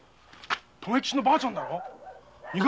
留吉の婆ちゃんだろ？